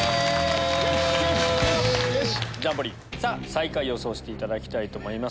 最下位予想していただきたいと思います。